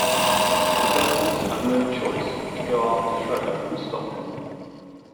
The Turtles have no choice but to go after Shredder and stop him.